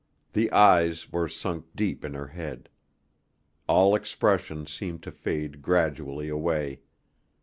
The eyes were sunk deep in her head. All expression seemed to fade gradually away.